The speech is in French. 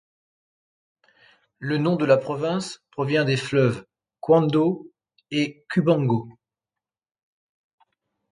Le nom de la province provient des fleuves Kwando et Kubango.